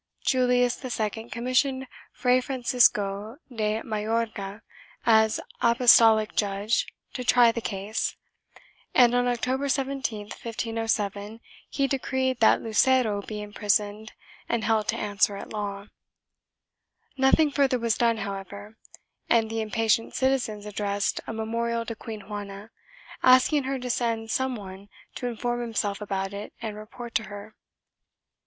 Julius II commissioned Fray Francisco de Mayorga as apostolic judge to try the case, and, on October 17, 1507, he decreed that Lucero be imprisoned and held to answer at law. Nothing further was done, however, and the impatient citizens addressed a memorial to Queen Juana, asking her to send some one to inform himself about it and report to her.